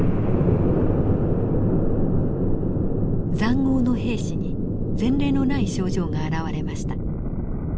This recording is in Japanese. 塹壕の兵士に前例のない症状が現れました。